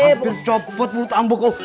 hampir copot mulu tambuk kau